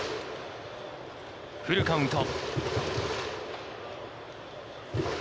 フルカウント。